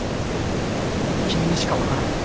君にしか分からない。